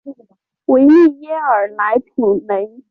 维利耶尔莱普雷。